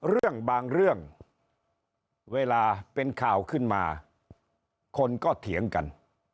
เรื่องบางเรื่องเวลาเป็นข่าวขึ้นมาคนก็เถียงกัน